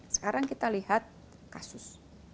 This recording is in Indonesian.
sekarang kita lihat kasus